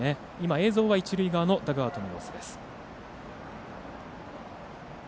映像は一塁側ダグアウトの様子です。